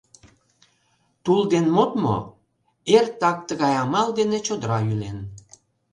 Тул дене модмо — эртак тыгай амал дене чодыра йӱлен.